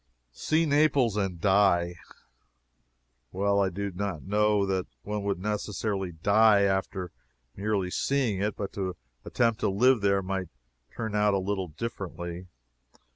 "See Naples and die." Well, I do not know that one would necessarily die after merely seeing it, but to attempt to live there might turn out a little differently.